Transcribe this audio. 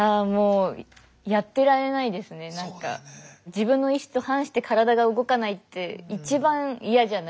自分の意思と反して体が動かないって一番嫌じゃないですか。